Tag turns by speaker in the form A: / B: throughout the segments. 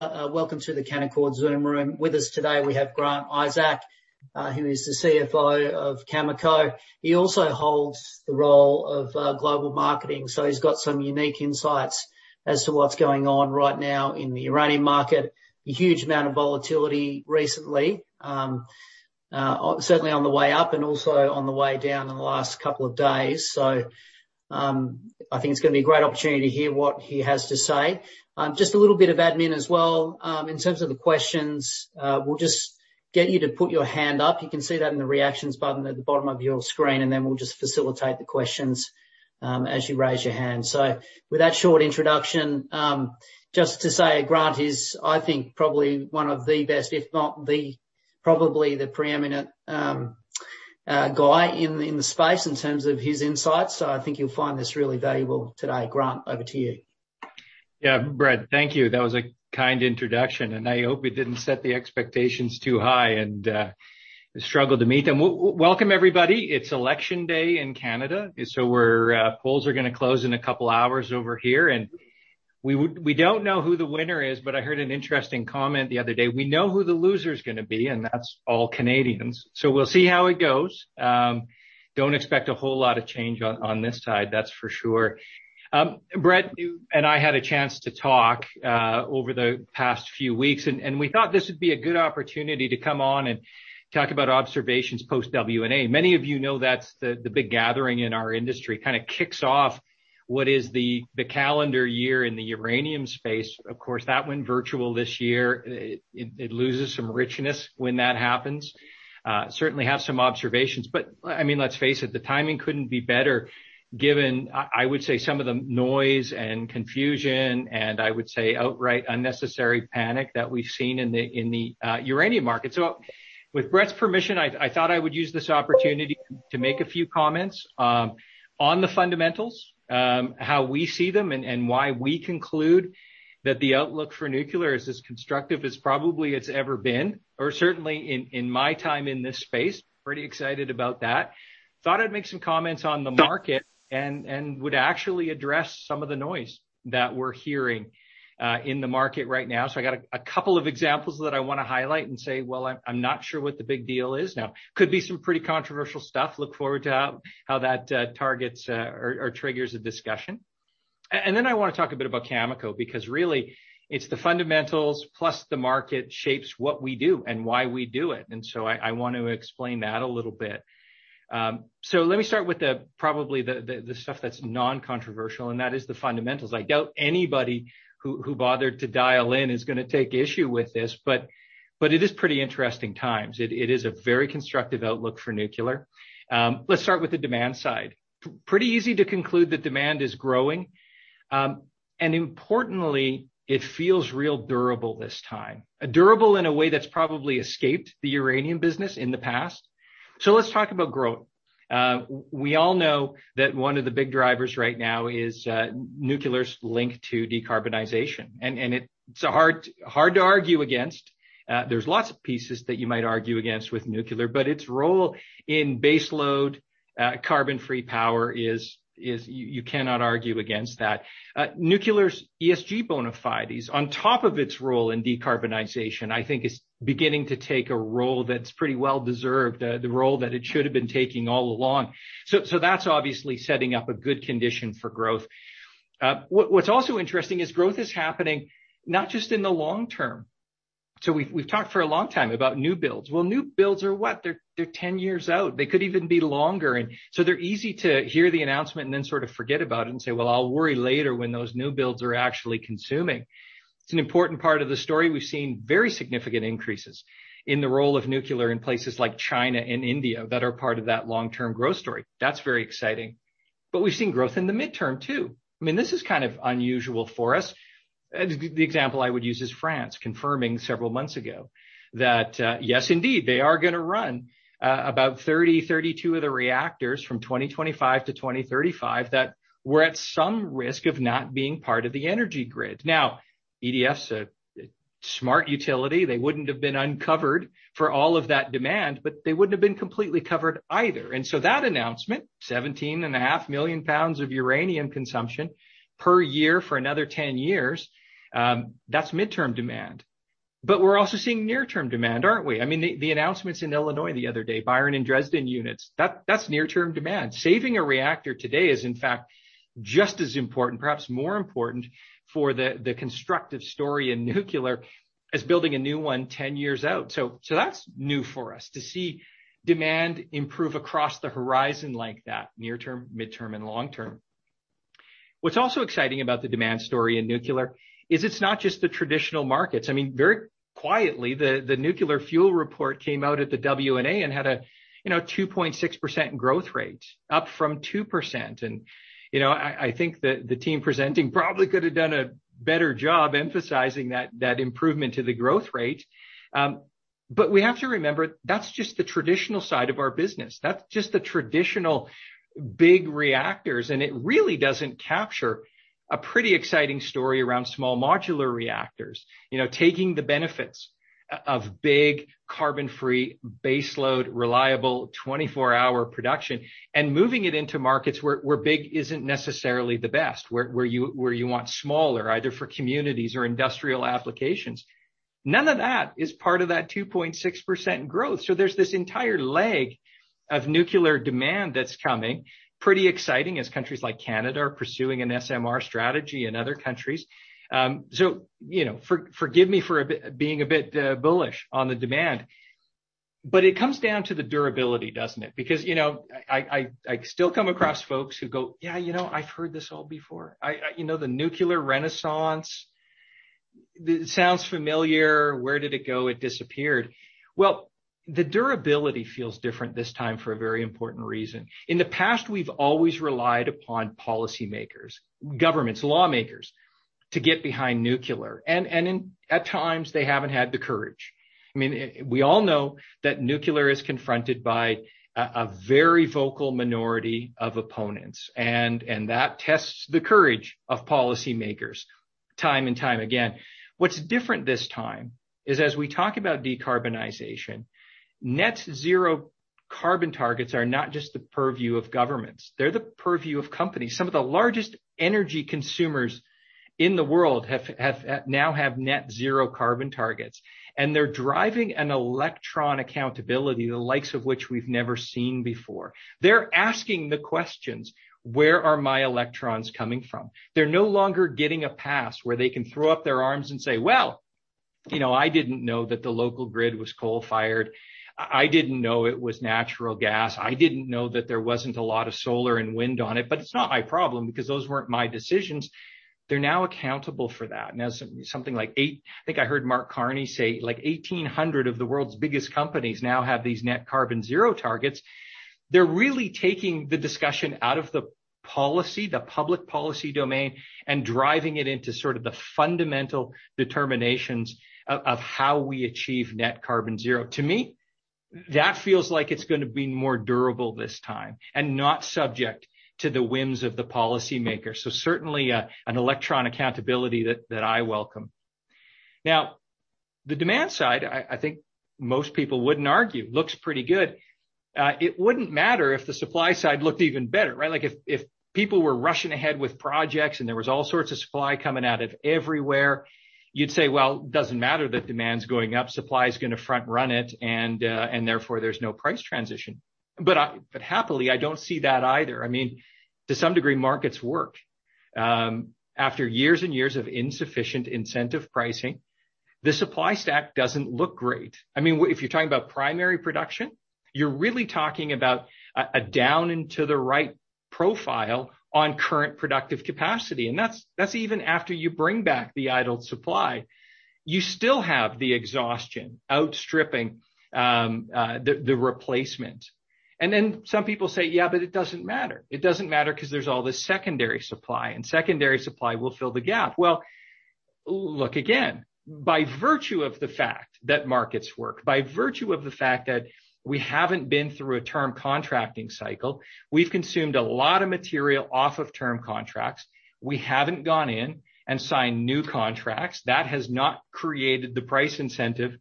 A: Welcome to the Canaccord Zoom room. With us today, we have Grant Isaac, who is the CFO of Cameco. He also holds the role of global marketing, he's got some unique insights as to what's going on right now in the uranium market. A huge amount of volatility recently, certainly on the way up and also on the way down in the last couple of days. I think it's going to be a great opportunity to hear what he has to say. Just a little bit of admin as well. In terms of the questions, we'll just get you to put your hand up. You can see that in the reactions button at the bottom of your screen, we'll just facilitate the questions as you raise your hand. With that short introduction, just to say Grant is, I think, probably one of the best, if not the probably the preeminent guy in the space in terms of his insights. I think you'll find this really valuable today. Grant, over to you.
B: Yeah. Brett, thank you. That was a kind introduction, and I hope it didn't set the expectations too high and struggle to meet them. Welcome, everybody. It's election day in Canada, so polls are going to close in a couple of hours over here. We don't know who the winner is, but I heard an interesting comment the other day. We know who the loser is going to be, and that's all Canadians. We'll see how it goes. Don't expect a whole lot of change on this side, that's for sure. Brett and I had a chance to talk over the past few weeks, and we thought this would be a good opportunity to come on and talk about observations post-WNA. Many of you know that's the big gathering in our industry. Kicks off what is the calendar year in the uranium space. Of course, that went virtual this year. It loses some richness when that happens. Certainly have some observations, but let's face it, the timing couldn't be better given, I would say, some of the noise and confusion and, I would say, outright unnecessary panic that we've seen in the uranium market. With Brett's permission, I thought I would use this opportunity to make a few comments on the fundamentals, how we see them, and why we conclude that the outlook for nuclear is as constructive as probably it's ever been, or certainly in my time in this space. Pretty excited about that. Thought I'd make some comments on the market and would actually address some of the noise that we're hearing in the market right now. I got a couple of examples that I want to highlight and say, "Well, I'm not sure what the big deal is now." Could be some pretty controversial stuff. Look forward to how that targets or triggers a discussion. Then I want to talk a bit about Cameco, because really, it's the fundamentals plus the market shapes what we do and why we do it. I want to explain that a little bit. Let me start with probably the stuff that's non-controversial, and that is the fundamentals. I doubt anybody who bothered to dial in is going to take issue with this, but it is pretty interesting times. It is a very constructive outlook for nuclear. Let's start with the demand side. Pretty easy to conclude that demand is growing. Importantly, it feels real durable this time. Durable in a way that's probably escaped the uranium business in the past. Let's talk about growth. We all know that one of the big drivers right now is nuclear's link to decarbonization. It's hard to argue against. There's lots of pieces that you might argue against with nuclear, but its role in base load carbon-free power is you cannot argue against that. Nuclear's ESG bona fides on top of its role in decarbonization, I think is beginning to take a role that's pretty well-deserved, the role that it should have been taking all along. That's obviously setting up a good condition for growth. What's also interesting is growth is happening not just in the long term. We've talked for a long time about new builds. Well, new builds are what? They're 10-years out. They could even be longer. They're easy to hear the announcement and then sort of forget about it and say, "Well, I'll worry later when those new builds are actually consuming." It's an important part of the story. We've seen very significant increases in the role of nuclear in places like China and India that are part of that long-term growth story. That's very exciting. We've seen growth in the midterm too. This is kind of unusual for us. The example I would use is France confirming several months ago that yes, indeed, they are going to run about 30, 32 of the reactors from 2025 to 2035 that were at some risk of not being part of the energy grid. EDF's a smart utility. They wouldn't have been uncovered for all of that demand, but they wouldn't have been completely covered either. That announcement, 17.5 million pounds of uranium consumption per year for another 10 years, that's midterm demand. We're also seeing near-term demand, aren't we? The announcements in Illinois the other day, Byron and Dresden units, that's near-term demand. Saving a reactor today is, in fact, just as important, perhaps more important for the constructive story in nuclear as building a new one 10 years out. That's new for us to see demand improve across the horizon like that, near-term, midterm, and long-term. What's also exciting about the demand story in nuclear is it's not just the traditional markets. Very quietly, The Nuclear Fuel Report came out at the WNA and had a 2.6% growth rate, up from 2%. I think that the team presenting probably could have done a better job emphasizing that improvement to the growth rate. We have to remember, that's just the traditional side of our business. That's just the traditional big reactors, and it really doesn't capture a pretty exciting story around small modular reactors. Taking the benefits of big carbon-free baseload, reliable 24-hour production and moving it into markets where big isn't necessarily the best, where you want smaller, either for communities or industrial applications. None of that is part of that 2.6% growth. There's this entire leg of nuclear demand that's coming. Pretty exciting as countries like Canada are pursuing an SMR strategy and other countries. Forgive me for being a bit bullish on the demand, but it comes down to the durability, doesn't it? I still come across folks who go, "Yeah, I've heard this all before. The nuclear renaissance, it sounds familiar. Where did it go? It disappeared." Well, the durability feels different this time for a very important reason. In the past, we've always relied upon policymakers, governments, lawmakers to get behind nuclear. At times they haven't had the courage. We all know that nuclear is confronted by a very vocal minority of opponents. That tests the courage of policymakers time and time again. What's different this time is as we talk about decarbonization, net zero carbon targets are not just the purview of governments. They're the purview of companies. Some of the largest energy consumers in the world now have net zero carbon targets. They're driving an electron accountability the likes of which we've never seen before. They're asking the questions, where are my electrons coming from? They're no longer getting a pass where they can throw up their arms and say, "Well, I didn't know that the local grid was coal-fired. I didn't know it was natural gas. I didn't know that there wasn't a lot of solar and wind on it, but it's not my problem because those weren't my decisions." They're now accountable for that. Now something like 8, I think I heard Mark Carney say like 1,800 of the world's biggest companies now have these net carbon zero targets. They're really taking the discussion out of the policy, the public policy domain, and driving it into sort of the fundamental determinations of how we achieve net carbon zero. To me, that feels like it's going to be more durable this time and not subject to the whims of the policymaker. Certainly, an electron accountability that I welcome. The demand side, I think most people wouldn't argue looks pretty good. It wouldn't matter if the supply side looked even better, right? Like if people were rushing ahead with projects and there was all sorts of supply coming out of everywhere, you'd say, well, it doesn't matter that demand's going up, supply's going to front-run it, and therefore there's no price transition. Happily, I don't see that either. To some degree, markets work. After years and years of insufficient incentive pricing, the supply stack doesn't look great. If you're talking about primary production, you're really talking about a down and to the right profile on current productive capacity, and that's even after you bring back the idled supply. You still have the exhaustion outstripping the replacement. Some people say, "Yeah, but it doesn't matter. It doesn't matter because there's all this secondary supply, and secondary supply will fill the gap. Well, look again, by virtue of the fact that markets work, by virtue of the fact that we haven't been through a term contracting cycle, we've consumed a lot of material off of term contracts. We haven't gone in and signed new contracts. That has not created the price incentive to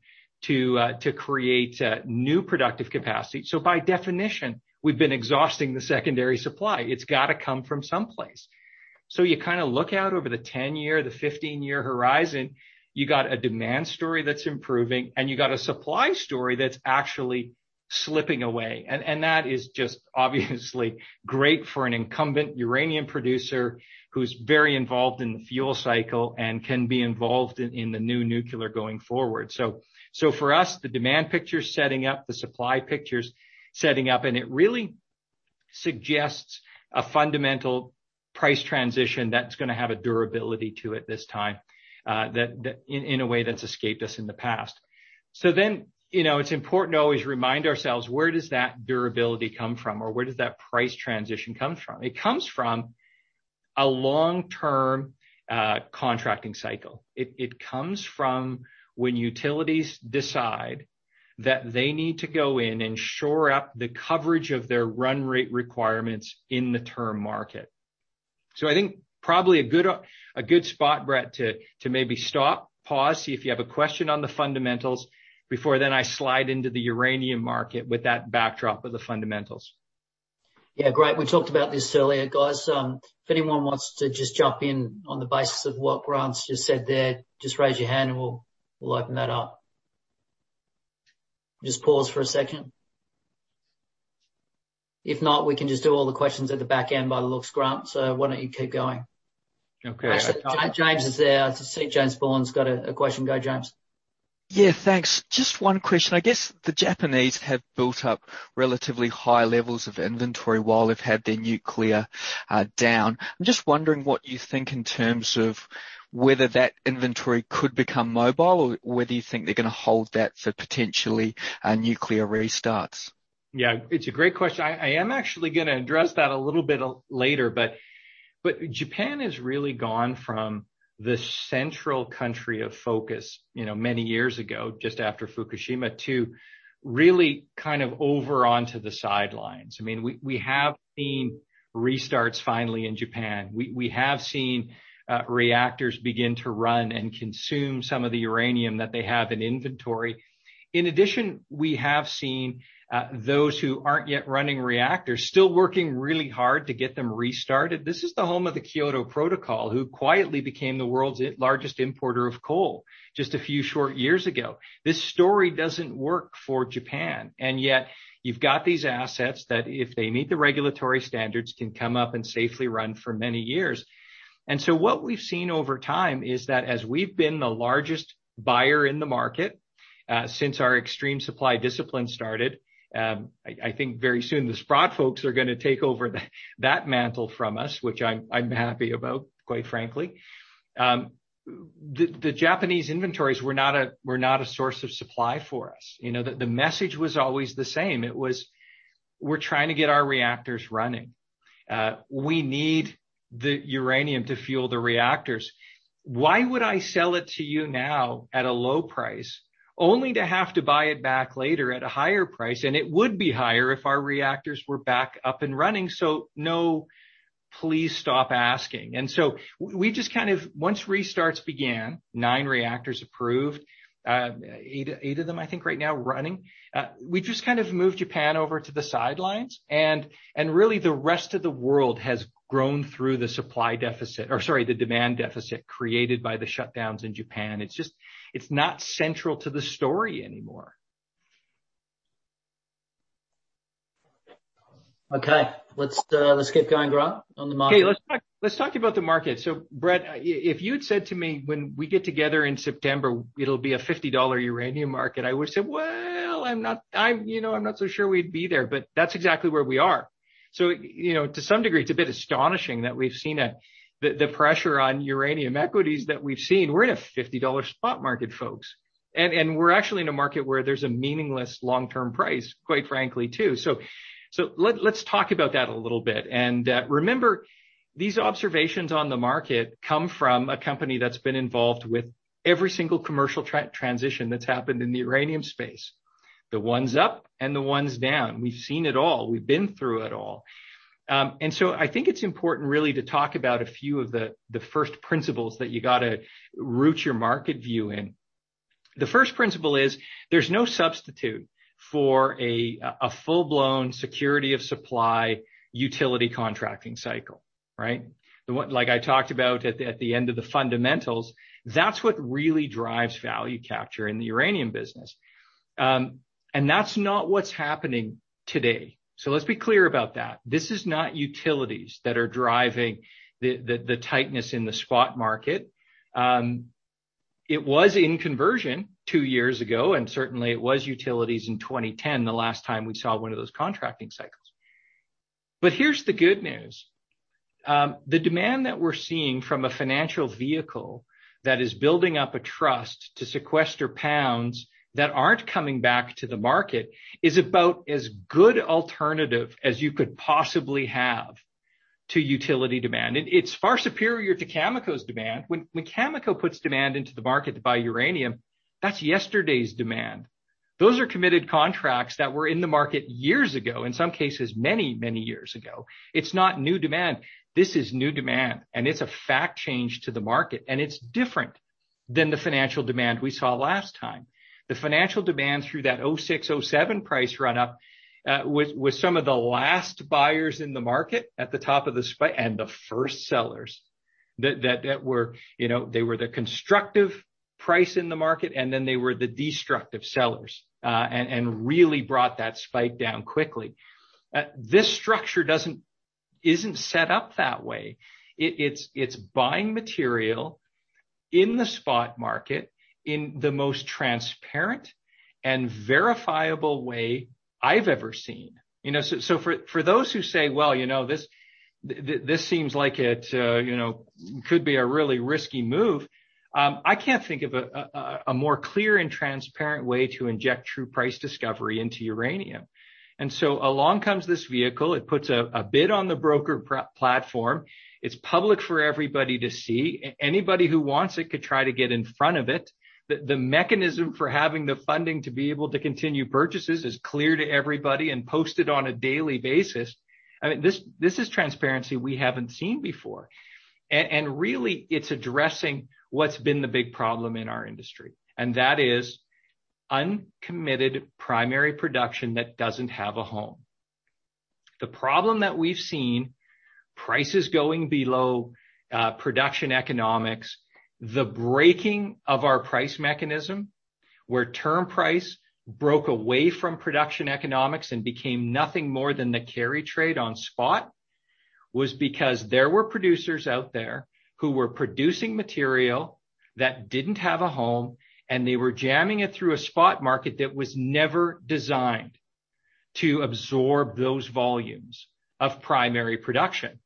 B: create new productive capacity. By definition, we've been exhausting the secondary supply. It's got to come from someplace. You kind of look out over the 10-year, the 15-year horizon, you got a demand story that's improving, and you got a supply story that's actually slipping away, and that is just obviously great for an incumbent uranium producer who's very involved in the fuel cycle and can be involved in the new nuclear going forward. For us, the demand picture's setting up, the supply picture's setting up, and it really suggests a fundamental price transition that's going to have a durability to it this time in a way that's escaped us in the past. It's important to always remind ourselves, where does that durability come from, or where does that price transition come from? It comes from a long-term contracting cycle. It comes from when utilities decide that they need to go in and shore up the coverage of their run rate requirements in the term market. I think probably a good spot, Brett, to maybe stop, pause, see if you have a question on the fundamentals before then I slide into the uranium market with that backdrop of the fundamentals.
A: Yeah, great. We talked about this earlier, guys. If anyone wants to just jump in on the basis of what Grant's just said there, just raise your hand and we'll open that up. Just pause for one second. If not, we can just do all the questions at the back end by the looks, Grant. Why don't you keep going?
B: Okay.
A: Actually, James is there. I can see James Bourne's got a question. Go, James.
C: Yeah, thanks. Just one question. I guess the Japanese have built up relatively high levels of inventory while they've had their nuclear down. I'm just wondering what you think in terms of whether that inventory could become mobile, or whether you think they're going to hold that for potentially nuclear restarts.
B: Yeah, it's a great question. I am actually going to address that a little bit later. Japan has really gone from this central country of focus many years ago, just after Fukushima, to really kind of over onto the sidelines. We have seen restarts finally in Japan. We have seen reactors begin to run and consume some of the uranium that they have in inventory. In addition, we have seen those who aren't yet running reactors still working really hard to get them restarted. This is the home of the Kyoto Protocol, who quietly became the world's largest importer of coal just a few short years ago. This story doesn't work for Japan, yet you've got these assets that, if they meet the regulatory standards, can come up and safely run for many years. What we've seen over time is that as we've been the largest buyer in the market since our extreme supply discipline started, I think very soon the Sprott folks are going to take over that mantle from us, which I'm happy about, quite frankly. The Japanese inventories were not a source of supply for us. The message was always the same. It was, "We're trying to get our reactors running. We need the uranium to fuel the reactors. Why would I sell it to you now at a low price, only to have to buy it back later at a higher price? It would be higher if our reactors were back up and running. No, please stop asking. Once restarts began, nine reactors approved, eight of them I think right now running, we just kind of moved Japan over to the sidelines, and really the rest of the world has grown through the supply deficit, or sorry, the demand deficit created by the shutdowns in Japan. It's not central to the story anymore.
A: Okay. Let's keep going, Grant, on the market.
B: Okay, let's talk about the market. Brett, if you'd said to me, "When we get together in September, it'll be a 50 dollar uranium market," I would've said, "Well, I'm not so sure we'd be there." That's exactly where we are. To some degree, it's a bit astonishing the pressure on uranium equities that we've seen. We're in a 50 dollar spot market, folks. We're actually in a market where there's a meaningless long-term price, quite frankly, too. Let's talk about that a little bit. Remember, these observations on the market come from a company that's been involved with every single commercial transition that's happened in the uranium space, the ones up and the ones down. We've seen it all. We've been through it all. I think it's important really to talk about a few of the first principles that you got to root your market view in. The first principle is there's no substitute for a full-blown security of supply utility contracting cycle, right? Like I talked about at the end of the fundamentals, that's what really drives value capture in the uranium business. That's not what's happening today. Let's be clear about that. This is not utilities that are driving the tightness in the spot market. It was in conversion two years ago, and certainly it was utilities in 2010, the last time we saw one of those contracting cycles. Here's the good news. The demand that we're seeing from a financial vehicle that is building up a trust to sequester pounds that aren't coming back to the market is about as good alternative as you could possibly have to utility demand. It's far superior to Cameco's demand. When Cameco puts demand into the market to buy uranium, that's yesterday's demand. Those are committed contracts that were in the market years ago, in some cases, many, many years ago. It's not new demand. This is new demand, and it's a fact change to the market, and it's different than the financial demand we saw last time. The financial demand through that 2006, 2007 price run-up, was some of the last buyers in the market at the top of the spike and the first sellers. They were the constructive price in the market, and then they were the destructive sellers, and really brought that spike down quickly. This structure isn't set up that way. It's buying material in the spot market in the most transparent and verifiable way I've ever seen. For those who say, "Well, this seems like it could be a really risky move," I can't think of a more clear and transparent way to inject true price discovery into uranium. Along comes this vehicle, it puts a bid on the broker platform. It's public for everybody to see. Anybody who wants it could try to get in front of it. The mechanism for having the funding to be able to continue purchases is clear to everybody and posted on a daily basis. This is transparency we haven't seen before. Really, it's addressing what's been the big problem in our industry. That is uncommitted primary production that doesn't have a home. The problem that we've seen, prices going below production economics, the breaking of our price mechanism, where term price broke away from production economics and became nothing more than the carry trade on spot, was because there were producers out there who were producing material that didn't have a home, and they were jamming it through a spot market that was never designed to absorb those volumes of primary production.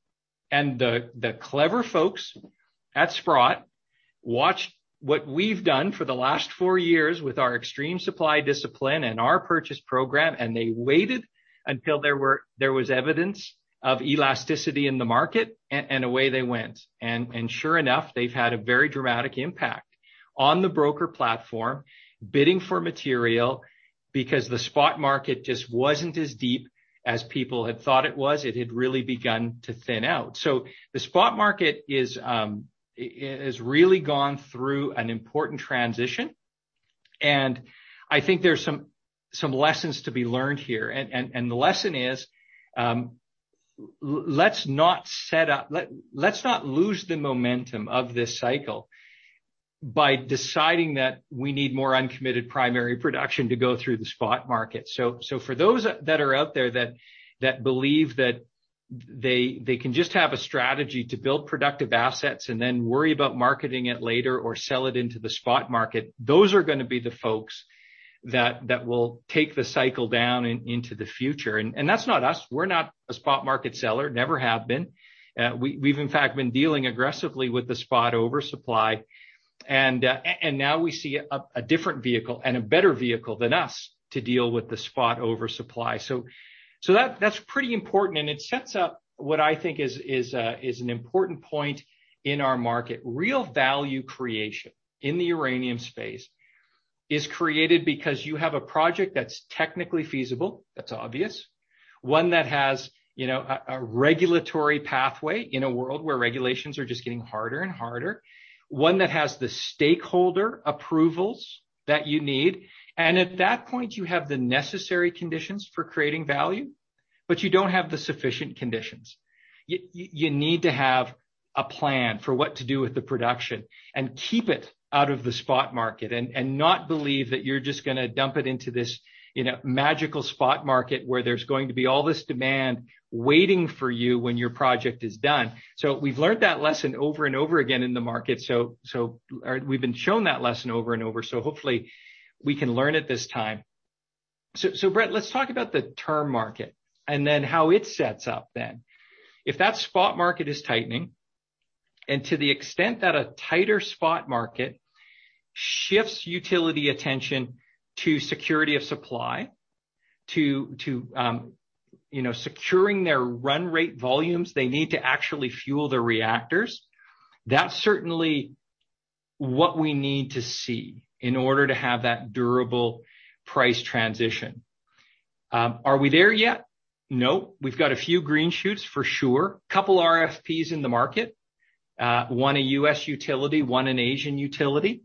B: The clever folks at Sprott watched what we've done for the last four years with our extreme supply discipline and our purchase program, and they waited until there was evidence of elasticity in the market, and away they went. Sure enough, they've had a very dramatic impact on the broker platform, bidding for material because the spot market just wasn't as deep as people had thought it was. It had really begun to thin out. The spot market has really gone through an important transition, and I think there's some lessons to be learned here. The lesson is, let's not lose the momentum of this cycle by deciding that we need more uncommitted primary production to go through the spot market. For those that are out there that believe that they can just have a strategy to build productive assets and then worry about marketing it later or sell it into the spot market, those are going to be the folks that will take the cycle down and into the future. That's not us. We're not a spot market seller, never have been. We've in fact been dealing aggressively with the spot oversupply, now we see a different vehicle, and a better vehicle than us to deal with the spot oversupply. That's pretty important, and it sets up what I think is an important point in our market. Real value creation in the uranium space is created because you have a project that's technically feasible, that's obvious. One that has a regulatory pathway in a world where regulations are just getting harder and harder. One that has the stakeholder approvals that you need. At that point, you have the necessary conditions for creating value, but you don't have the sufficient conditions. You need to have a plan for what to do with the production and keep it out of the spot market and not believe that you're just going to dump it into this magical spot market where there's going to be all this demand waiting for you when your project is done. We've learned that lesson over and over again in the market. We've been shown that lesson over and over, so hopefully we can learn it this time. Brett, let's talk about the term market and then how it sets up then. If that spot market is tightening, and to the extent that a tighter spot market shifts utility attention to security of supply, to securing their run rate volumes they need to actually fuel their reactors, that's certainly what we need to see in order to have that durable price transition. Are we there yet? No. We've got a few green shoots for sure. Couple RFPs in the market. One a U.S. utility, one an Asian utility.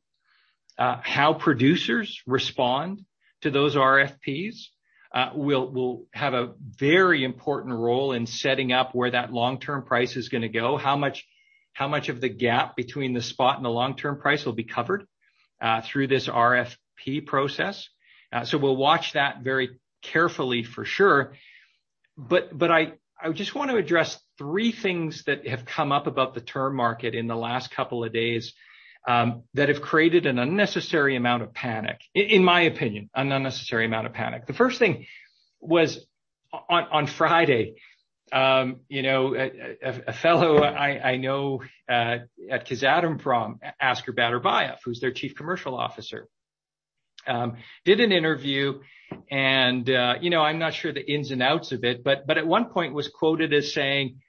B: How producers respond to those RFPs will have a very important role in setting up where that long-term price is going to go, how much of the gap between the spot and the long-term price will be covered through this RFP process. We'll watch that very carefully for sure. I just want to address three things that have come up about the term market in the last couple of days, that have created an unnecessary amount of panic, in my opinion, an unnecessary amount of panic. The first thing was on Friday, a fellow I know at Kazatomprom, Askar Batyrbayev, who's their Chief Commercial Officer, did an interview and I'm not sure the ins and outs of it, but at one point was quoted as saying,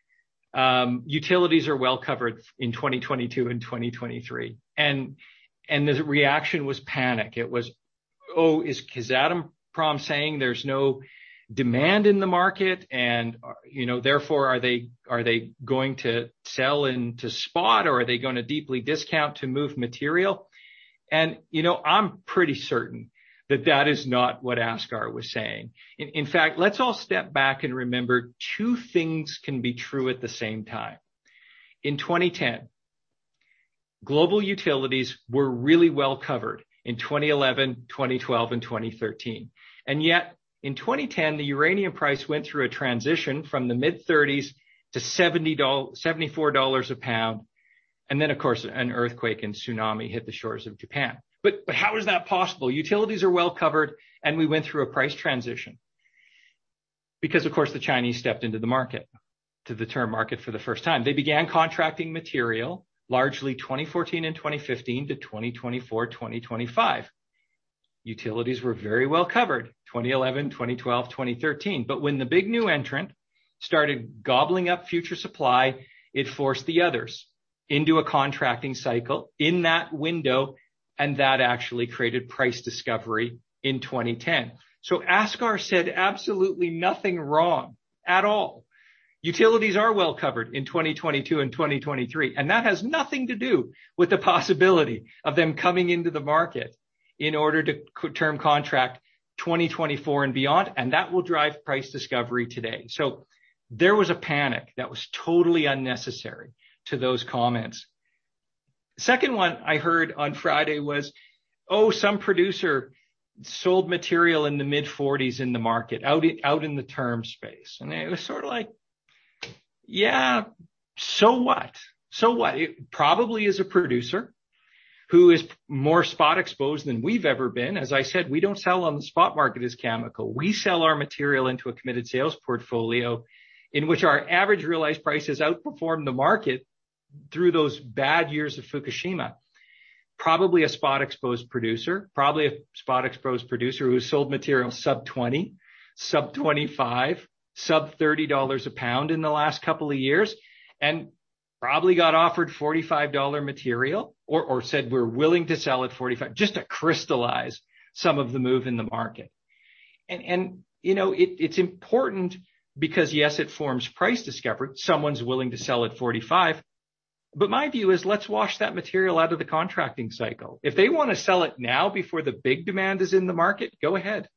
B: "Utilities are well-covered in 2022 and 2023." The reaction was panic. It was, "Oh, is Kazatomprom saying there's no demand in the market and therefore, are they going to sell into spot or are they going to deeply discount to move material?" I'm pretty certain that that is not what Askar was saying. In fact, let's all step back and remember two things can be true at the same time. In 2010, global utilities were really well-covered in 2011, 2012, and 2013. Yet in 2010, the uranium price went through a transition from the mid-30s to $74 a pound. Of course, an earthquake and tsunami hit the shores of Japan. How is that possible? Utilities are well-covered and we went through a price transition. Of course, the Chinese stepped into the market, to the term market for the first time. They began contracting material largely 2014 and 2015-2024, 2025. Utilities were very well-covered 2011, 2012, 2013. When the big new entrant started gobbling up future supply, it forced the others into a contracting cycle in that window, and that actually created price discovery in 2010. Askar said absolutely nothing wrong at all. Utilities are well-covered in 2022 and 2023, and that has nothing to do with the possibility of them coming into the market in order to term contract 2024 and beyond, and that will drive price discovery today. There was a panic that was totally unnecessary to those comments. Second one I heard on Friday was, some producer sold material in the mid-40s in the market out in the term space. It was sort of like, yeah, so what? It probably is a producer who is more spot exposed than we've ever been. As I said, we don't sell on the spot market as Cameco. We sell our material into a committed sales portfolio in which our average realized price has outperformed the market through those bad years of Fukushima. Probably a spot-exposed producer who sold material sub-20, sub-25, sub-$30 a pound in the last couple of years. Probably got offered $45 material or said: We're willing to sell at $45, just to crystallize some of the move in the market. It's important because, yes, it forms price discovery. Someone's willing to sell at $45. My view is, let's wash that material out of the contracting cycle. If they want to sell it now before the big demand is in the market, go ahead.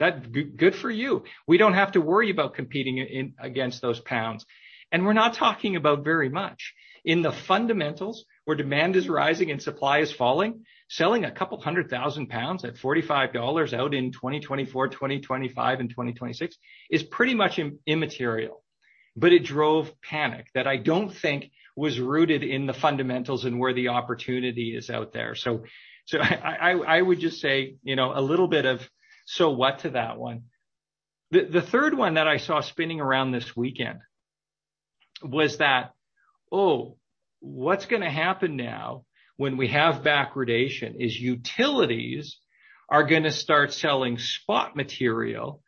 B: Good for you. We don't have to worry about competing against those pounds. We're not talking about very much. In the fundamentals, where demand is rising and supply is falling, selling CAD 200,000 at $45 out in 2024, 2025, and 2026 is pretty much immaterial. It drove panic that I don't think was rooted in the fundamentals and where the opportunity is out there. I would just say, a little bit of, "So what?" to that one. The third one that I saw spinning around this weekend was that, what's going to happen now when we have backwardation is utilities are going to start selling spot material,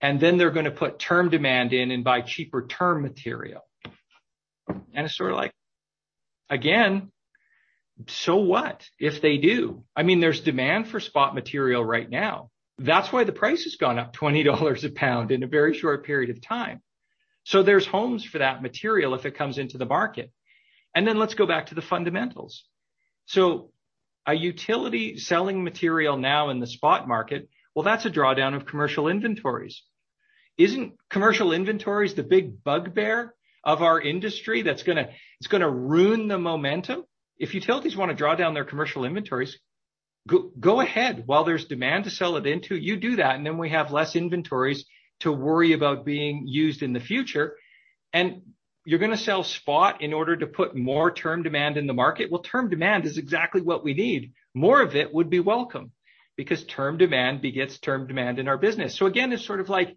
B: then they're going to put term demand in and buy cheaper term material. It's sort of like, again, what if they do? There's demand for spot material right now. That's why the price has gone up 20 dollars in a very short period of time. There's homes for that material if it comes into the market. Let's go back to the fundamentals. A utility selling material now in the spot market, well, that's a drawdown of commercial inventories. Isn't commercial inventories the big bugbear of our industry that's going to ruin the momentum? If utilities want to draw down their commercial inventories, go ahead. While there's demand to sell it into, you do that, and then we have less inventories to worry about being used in the future. You're going to sell spot in order to put more term demand in the market? Well, term demand is exactly what we need. More of it would be welcome, because term demand begets term demand in our business. Again, it's sort of like,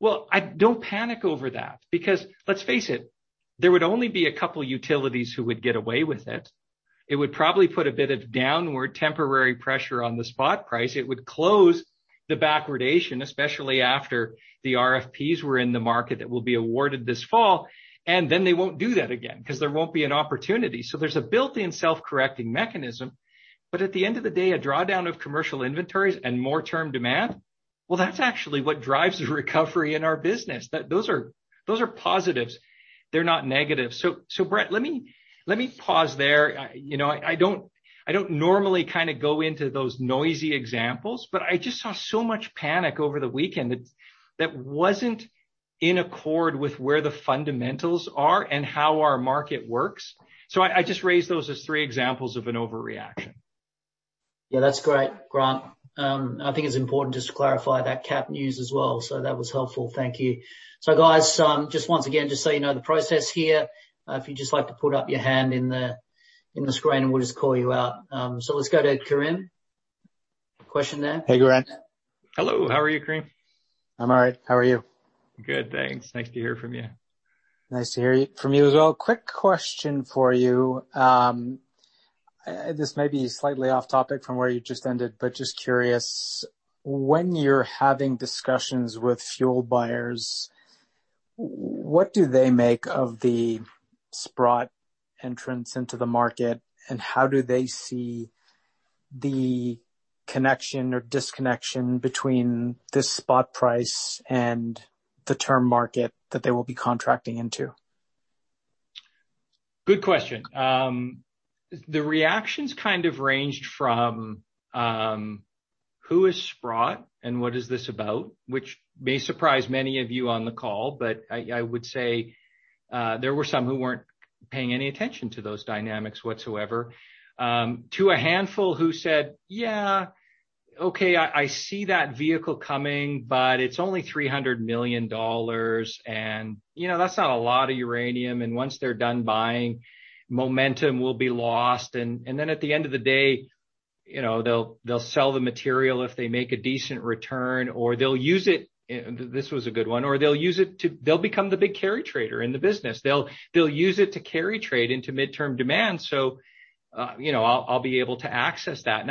B: well, I don't panic over that because, let's face it, there would only be a couple utilities who would get away with it. It would probably put a bit of downward temporary pressure on the spot price. It would close the backwardation, especially after the RFPs were in the market that will be awarded this fall, and then they won't do that again because there won't be an opportunity. There's a built-in self-correcting mechanism. At the end of the day, a drawdown of commercial inventories and more term demand, well, that's actually what drives the recovery in our business. Those are positives. They're not negatives. Brett, let me pause there. I don't normally go into those noisy examples, but I just saw so much panic over the weekend that wasn't in accord with where the fundamentals are and how our market works. I just raise those as three examples of an overreaction.
A: Yeah, that's great, Grant. I think it's important just to clarify that KAP news as well, so that was helpful. Thank you. Guys, just once again, just so you know the process here, if you'd just like to put up your hand in the screen, and we'll just call you out. Let's go to Karim. Question there.
D: Hey, Grant.
B: Hello. How are you, Karim?
D: I'm all right. How are you?
B: Good, thanks. Nice to hear from you.
D: Nice to hear from you as well. Quick question for you. This may be slightly off-topic from where you just ended, but just curious. When you're having discussions with fuel buyers, what do they make of the Sprott entrance into the market, and how do they see the connection or disconnection between this spot price and the term market that they will be contracting into?
B: Good question. The reactions kind of ranged from, "Who is Sprott and what is this about?" Which may surprise many of you on the call, but I would say there were some who weren't paying any attention to those dynamics whatsoever, to a handful who said, "Yeah, okay, I see that vehicle coming, but it's only 300 million dollars, and that's not a lot of uranium." Once they're done buying, momentum will be lost. At the end of the day, they'll sell the material if they make a decent return or they'll use it. This was a good one. They'll use it to become the big carry trader in the business. They'll use it to carry trade into midterm demand, so I'll be able to access that.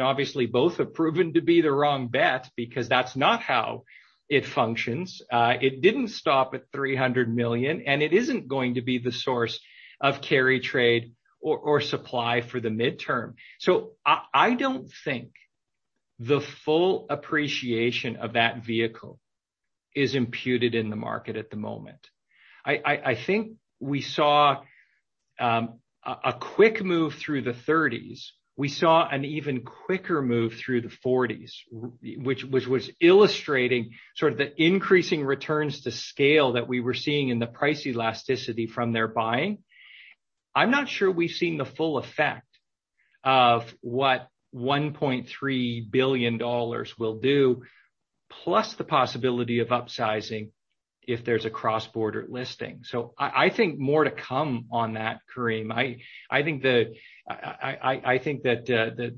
B: Obviously, both have proven to be the wrong bet because that's not how it functions. It didn't stop at 300 million. It isn't going to be the source of carry trade or supply for the midterm. I don't think the full appreciation of that vehicle is imputed in the market at the moment. I think we saw a quick move through the 30s. We saw an even quicker move through the 40s, which was illustrating the increasing returns to scale that we were seeing in the price elasticity from their buying. I'm not sure we've seen the full effect of what 1.3 billion dollars will do, plus the possibility of upsizing if there's a cross-border listing. I think more to come on that, Karim. I think that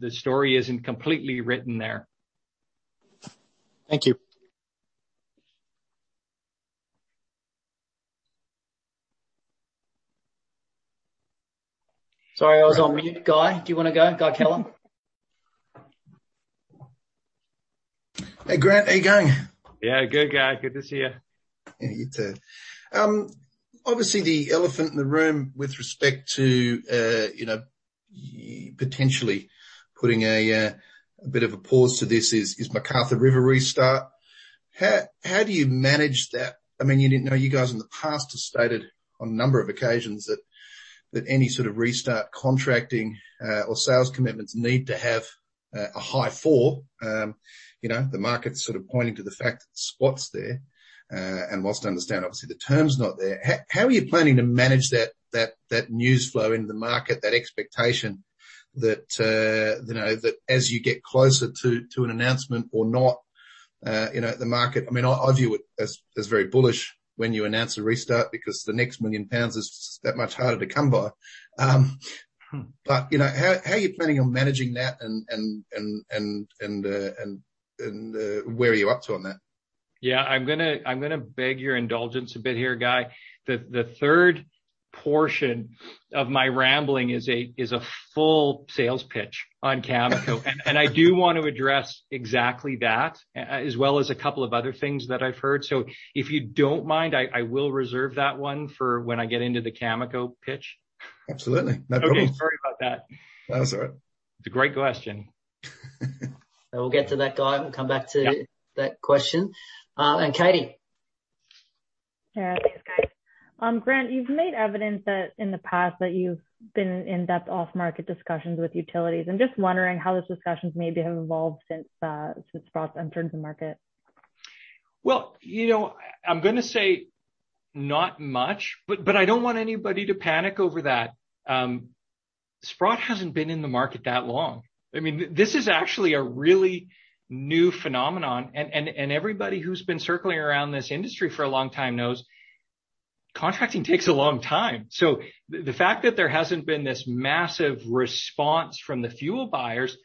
B: the story isn't completely written there.
D: Thank you.
A: Sorry, I was on mute. Guy, do you want to go?
E: Hey, Grant. How you going?
B: Yeah, good, Guy. Good to see you.
E: Yeah, you too. Obviously, the elephant in the room with respect to potentially putting a bit of a pause to this is McArthur River restart. How do you manage that? You guys in the past have stated on a number of occasions that any sort of restart contracting or sales commitments need to have a high four. The market's sort of pointing to the fact that Sprott's there. Whilst I understand, obviously, the term's not there, how are you planning to manage that news flow into the market, that expectation that as you get closer to an announcement or not. I view it as very bullish when you announce a restart, because the next million pounds is that much harder to come by. How are you planning on managing that, and where are you up to on that?
B: Yeah. I'm going to beg your indulgence a bit here, Guy. The third portion of my rambling is a full sales pitch on Cameco. I do want to address exactly that, as well as a couple of other things that I've heard. If you don't mind, I will reserve that one for when I get into the Cameco pitch.
E: Absolutely. No problem.
B: Okay. Sorry about that.
E: No, that's all right.
B: It's a great question.
A: We'll get to that, Guy, and we'll come back to that question. Katie?
F: Yeah. Thanks, Guy. Grant, you've made evident in the past that you've been in depth off-market discussions with utilities. I'm just wondering how those discussions maybe have evolved since Sprott's entered the market.
B: I'm going to say not much, but I don't want anybody to panic over that. Sprott hasn't been in the market that long. This is actually a really new phenomenon, and everybody who's been circling around this industry for a long time knows contracting takes a long time. The fact that there hasn't been this massive response from the fuel buyers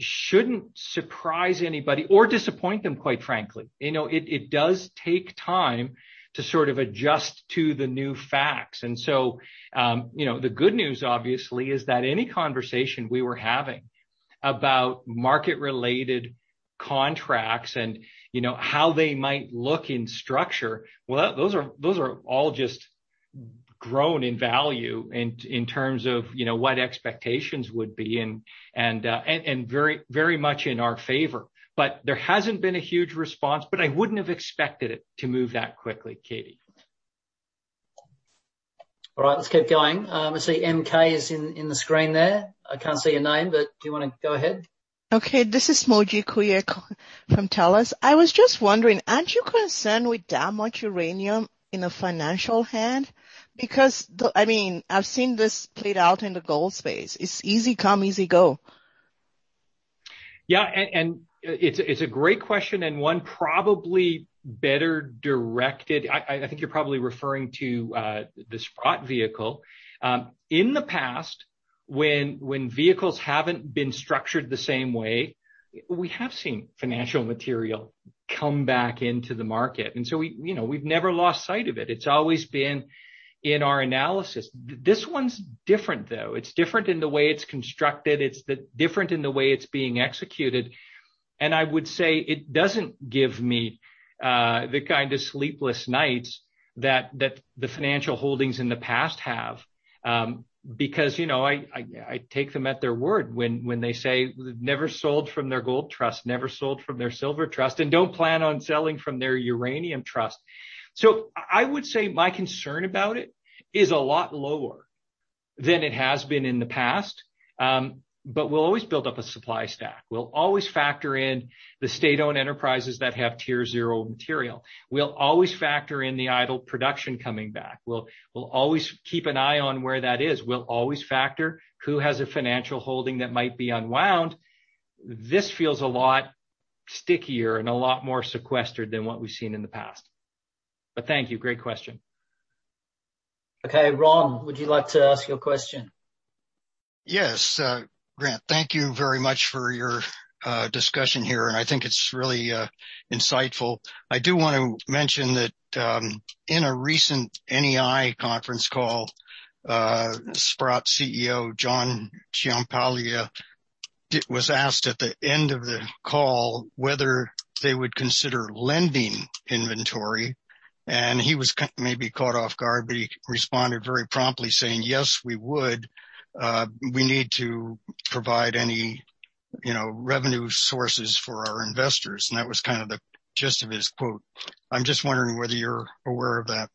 B: shouldn't surprise anybody or disappoint them, quite frankly. It does take time to sort of adjust to the new facts. The good news, obviously, is that any conversation we were having about market-related contracts and how they might look in structure, well, those are all just grown in value in terms of what expectations would be, and very much in our favor. There hasn't been a huge response, but I wouldn't have expected it to move that quickly, Katie.
A: All right. Let's keep going. I see MK is in the screen there. I can't see your name, but do you want to go ahead?
G: Okay. This is Moji Kuye from TELUS. I was just wondering, aren't you concerned with that much uranium in a financial hand? I've seen this played out in the gold space. It's easy come, easy go.
B: Yeah, it's a great question, and one probably better directed. I think you're probably referring to the Sprott vehicle. In the past, when vehicles haven't been structured the same way, we have seen financial material come back into the market. We've never lost sight of it. It's always been in our analysis. This one's different, though. It's different in the way it's constructed. It's different in the way it's being executed, and I would say it doesn't give me the kind of sleepless nights that the financial holdings in the past have. Because I take them at their word when they say they've never sold from their gold trust, never sold from their silver trust, and don't plan on selling from their uranium trust. I would say my concern about it is a lot lower than it has been in the past. We'll always build up a supply stack. We'll always factor in the state-owned enterprises that have Tier 0 material. We'll always factor in the idle production coming back. We'll always keep an eye on where that is. We'll always factor who has a financial holding that might be unwound. This feels a lot stickier and a lot more sequestered than what we've seen in the past. Thank you. Great question.
A: Okay. Ron, would you like to ask your question?
H: Yes. Grant, thank you very much for your discussion here, and I think it's really insightful. I do want to mention that in a recent NEI conference call, Sprott CEO, John Ciampaglia, was asked at the end of the call whether they would consider lending inventory, and he was maybe caught off guard, but he responded very promptly, saying, "Yes, we would. We need to provide any revenue sources for our investors." That was kind of the gist of his quote. I'm just wondering whether you're aware of that.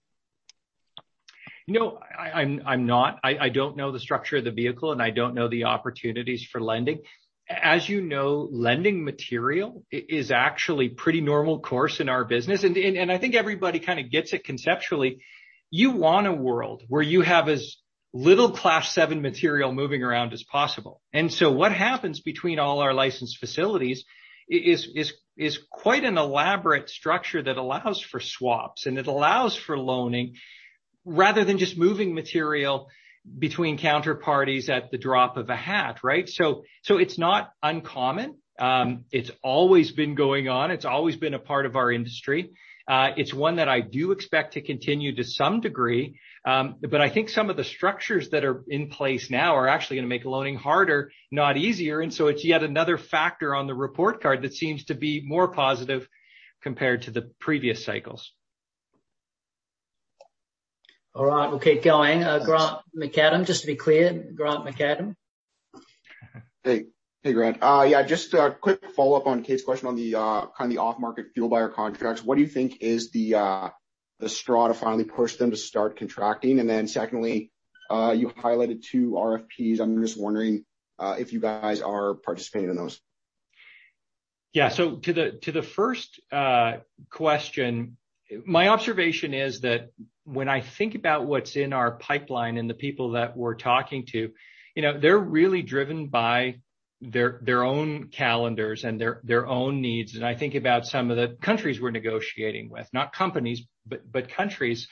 B: No, I'm not. I don't know the structure of the vehicle, and I don't know the opportunities for lending. As you know, lending material is actually pretty normal course in our business, and I think everybody kind of gets it conceptually. You want a world where you have as little Class 7 material moving around as possible. What happens between all our licensed facilities is quite an elaborate structure that allows for swaps, and it allows for loaning rather than just moving material between counterparties at the drop of a hat, right? It's not uncommon. It's always been going on. It's always been a part of our industry. It's one that I do expect to continue to some degree. I think some of the structures that are in place now are actually going to make loaning harder, not easier, and so it's yet another factor on the report card that seems to be more positive compared to the previous cycles.
A: All right, we'll keep going. Grant McAdam, just to be clear, Grant McAdam?
I: Hey, Grant. Yeah, just a quick follow-up on Katie's question on the off-market fuel buyer contracts. What do you think is the straw to finally push them to start contracting? Secondly, you highlighted two RFPs. I'm just wondering if you guys are participating in those.
B: To the first question, my observation is that when I think about what's in our pipeline and the people that we're talking to, they're really driven by their own calendars and their own needs. I think about some of the countries we're negotiating with, not companies, but countries.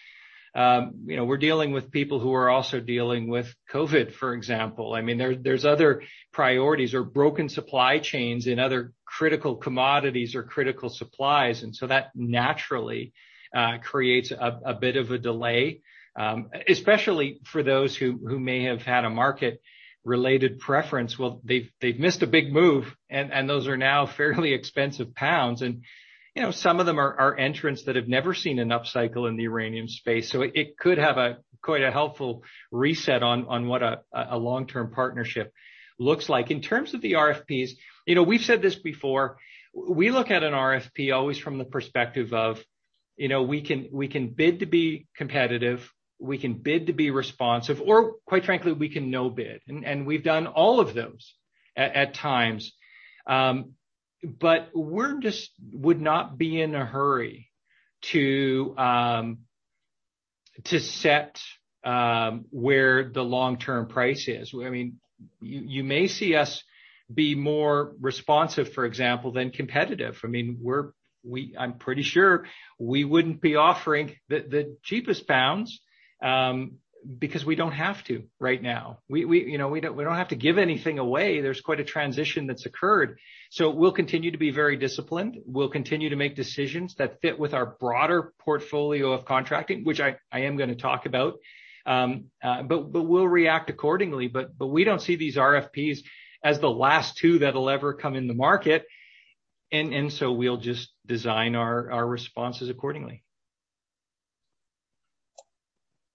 B: We're dealing with people who are also dealing with COVID, for example. There's other priorities or broken supply chains in other critical commodities or critical supplies. That naturally creates a bit of a delay, especially for those who may have had a market-related preference. Well, they've missed a big move, and those are now fairly expensive pounds. Some of them are entrants that have never seen an upcycle in the uranium space. It could have quite a helpful reset on what a long-term partnership looks like. In terms of the RFPs, we've said this before, we look at an RFP always from the perspective of, we can bid to be competitive, we can bid to be responsive, or quite frankly, we can no bid. We've done all of those at times. We would not be in a hurry to set where the long-term price is. You may see us be more responsive, for example, than competitive. I'm pretty sure we wouldn't be offering the cheapest pounds, because we don't have to right now. We don't have to give anything away. There's quite a transition that's occurred. We'll continue to be very disciplined. We'll continue to make decisions that fit with our broader portfolio of contracting, which I am going to talk about. We'll react accordingly. We don't see these RFPs as the last two that'll ever come in the market, and so we'll just design our responses accordingly.